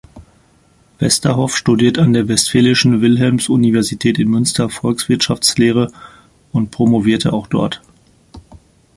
Westerhoff studiert an der Westfälischen Wilhelms-Universität in Münster Volkswirtschaftslehre und promovierte auch dort.